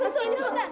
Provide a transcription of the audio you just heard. sini pakein dulu